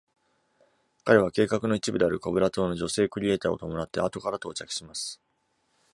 彼は計画の一部である Cobra 島の女性クリエイターを伴って後から到着します。